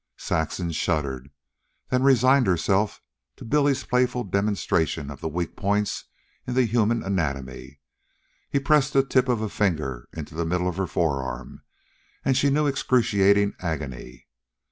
Saxon shuddered, then resigned herself to Billy's playful demonstration of the weak points in the human anatomy. He pressed the tip of a finger into the middle of her forearm, and she knew excruciating agony.